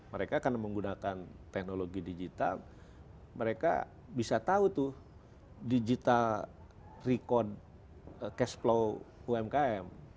mereka karena menggunakan teknologi digital mereka bisa tahu tuh digital record cash flow umkm